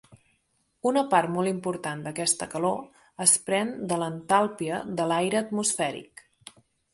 Una part molt important d'aquesta calor es pren de l'entalpia de l'aire atmosfèric.